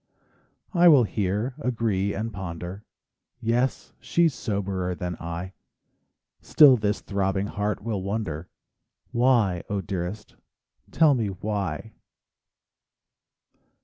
I will hear, agree, and ponder: "Yes, she's soberer than I;" Still this throbbing heart will wonder, "Why, 0 dearest, tell me why